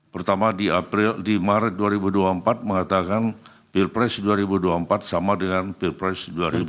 pertama di maret dua ribu dua puluh empat mengatakan pilpres dua ribu dua puluh empat sama dengan pilpres dua ribu dua puluh